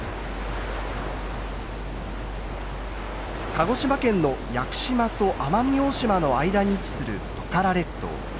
鹿児島県の屋久島と奄美大島の間に位置するトカラ列島。